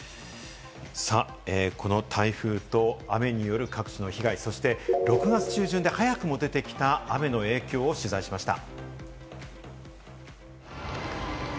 この台風と雨による各地の被害、そして６月中旬で早くも出てきた雨の影響を取材しました。